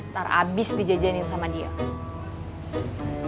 ntar abis dijajanin sama dia